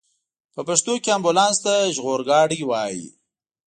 په پښتو کې امبولانس ته ژغورګاډی وايي.